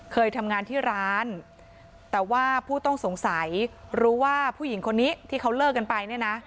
เคยทำงานที่ร้านแต่ว่าผู้ต้องสงสัยรู้ว่าผู้หญิงคนนี้ที่เขาเลิกกันไปเนี่ยนะ